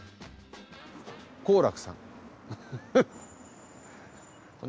幸楽さん。